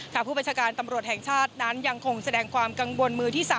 ผู้บัญชาการตำรวจแห่งชาตินั้นยังคงแสดงความกังวลมือที่๓